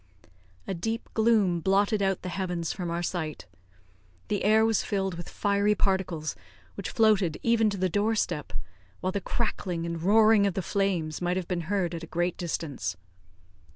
A deep gloom blotted out the heavens from our sight. The air was filled with fiery particles, which floated even to the door step while the crackling and roaring of the flames might have been heard at a great distance.